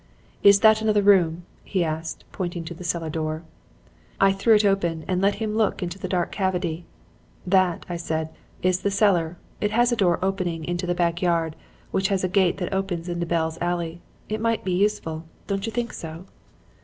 "'Is that another room?' he asked, pointing to the cellar door. "I threw it open and let him look into the dark cavity. 'That,' I said, 'is the cellar. It has a door opening into the back yard, which has a gate that opens into Bell's Alley. It might be useful. Don't you think so?'